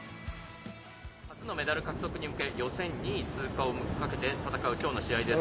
初のメダル獲得にむけて予選２位通過をかけて戦うきょうの試合です。